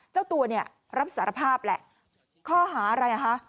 เจ้าตัวเนี่ยรับสารภาพแหละข้อหาอะไรอ่ะคะ